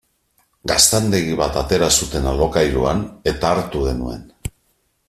Gaztandegi bat atera zuten alokairuan eta hartu genuen.